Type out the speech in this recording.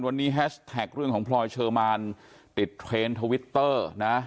วันนี้แฮชแท็กเรื่องของพลอยเชอร์มานติดเทรนด์ทวิตเตอร์นะ